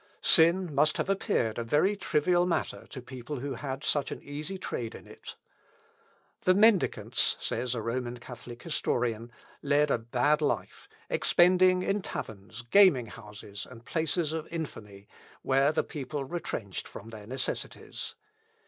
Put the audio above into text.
Sin must have appeared a very trivial matter to people who had such an easy trade in it. "The mendicants," says a Roman Catholic historian, "led a bad life, expending in taverns, gaming houses, and places of infamy, what the people retrenched from their necessities."